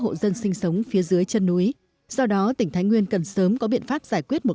hộ dân sinh sống phía dưới chân núi do đó tỉnh thái nguyên cần sớm có biện pháp giải quyết một